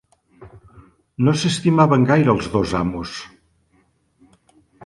No s'estimaven gaire els dos amos.